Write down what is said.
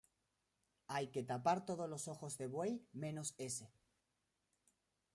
hay que tapar todos los ojos de buey, menos ese